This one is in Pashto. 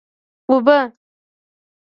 اوبه!